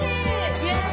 イェーイ！